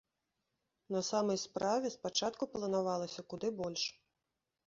На самай справе, спачатку планавалася куды больш.